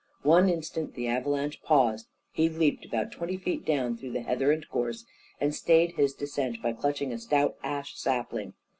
One instant the avalanche paused, he leaped about twenty feet down, through the heather and gorse, and stayed his descent by clutching a stout ash sapling.